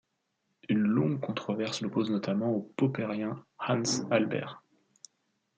Une longue controverse l'oppose notamment au popperien Hans Albert.